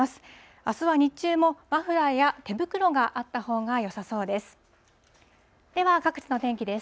あすは日中もマフラーや手袋があったほうがよさそうです。